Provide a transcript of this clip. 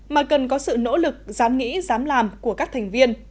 mà cần có sự nỗ lực dám nghĩ dám làm của các thành viên